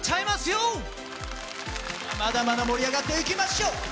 まだまだ盛り上がっていきましょう。